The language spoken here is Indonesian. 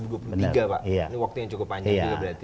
yang cukup panjang juga berarti